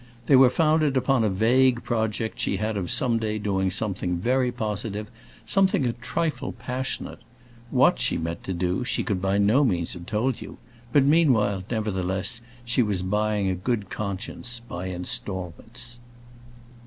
They were founded upon a vague project she had of some day doing something very positive, something a trifle passionate. What she meant to do she could by no means have told you; but meanwhile, nevertheless, she was buying a good conscience, by instalments.